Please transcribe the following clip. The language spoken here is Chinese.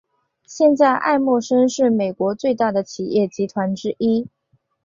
现在艾默生是美国最大的企业集团之一。